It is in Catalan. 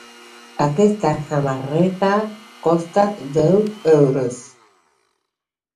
Aquesta samarreta costa deu euros.